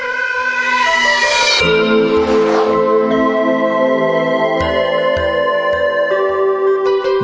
นานของพระธาตุกันบ้างครับ